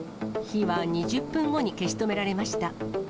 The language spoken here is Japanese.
火は２０分後に消し止められました。